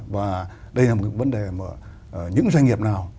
và đây là một cái vấn đề mà những doanh nghiệp nào